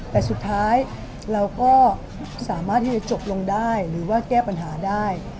แต่สุดท้ายเราก็สามารถที่จะจบลงได้หรือว่าแก้ปัญหาได้